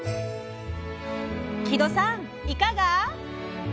木戸さんいかが？